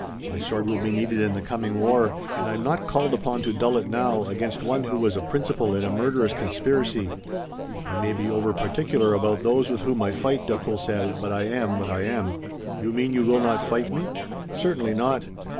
My sword will be needed in the coming war, and I'm not called upon to dull it now against one who was a principal in a murderous conspiracy. I may be over particular about those with whom I fight, de Courcelles, but I am what I am." "You mean you will not fight me?" "Certainly not.